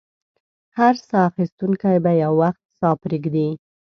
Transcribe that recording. هر ساه اخیستونکی به یو وخت ساه پرېږدي.